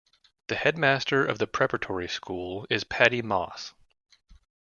The Headmaster of the Preparatory School is Paddy Moss.